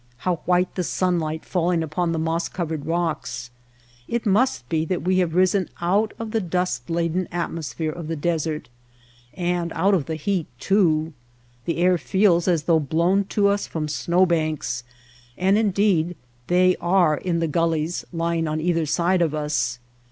How white the sunlight falling upon the moss covered rocks ! It must be that we have risen out of the dust laden atmosphere of the desert. And out of its heat too. The air feels as though blown to us from snow banks^ and indeed, they are in the gullies lying on either side of us.